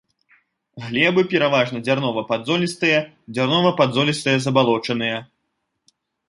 Глебы пераважна дзярнова-падзолістыя, дзярнова-падзолістыя забалочаныя.